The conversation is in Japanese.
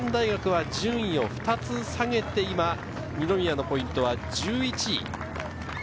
国士舘大学は順位を２つ下げて今、二宮のポイントは１１位。